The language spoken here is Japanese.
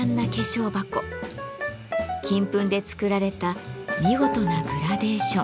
金粉で作られた見事なグラデーション。